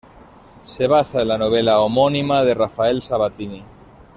Se basa en la novela homónima de Rafael Sabatini.